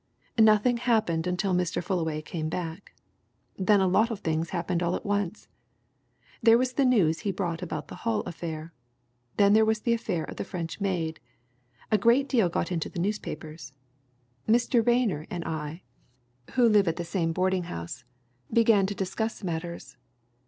"Nothing happened until Mr. Fullaway came back. Then a lot of things happened all at once. There was the news he brought about the Hull affair. Then there was the affair of the French maid. A great deal got into the newspapers. Mr. Rayner and I, who live at the same boarding house, began to discuss matters.